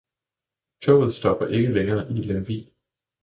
Toget stopper ikke længere i Lemvig